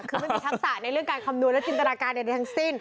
คือไม่มีทักษะในเรื่องการคำนวณและจินตนาการใดทั้งสิ้น